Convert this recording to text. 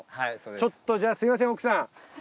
ちょっとじゃあすみません奥さん。